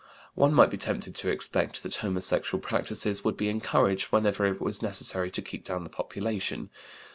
One might be tempted to expect that homosexual practices would be encouraged whenever it was necessary to keep down the population.